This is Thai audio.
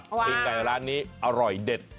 กินไก่ร้านนี้อร่อยเด็ด